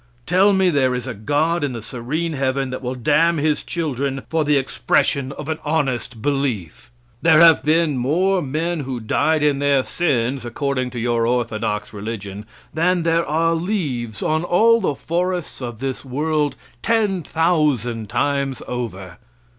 Tell me there is a God in the serene heaven that will damn his children for the expression of an honest belief! There have been more men who died in their sins, according to your orthodox religion, than there are leaves on all the forests of this world ten thousand times over.